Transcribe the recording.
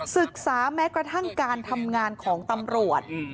ศึกษาแม้กระทั่งการทำงานของตำรวจ